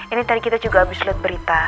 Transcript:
ini tadi kita juga abis liat berita